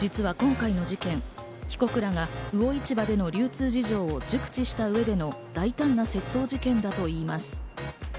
実は今回の事件、被告らが魚市場での流通事情を熟知した上での大胆な窃盗事件だといいます。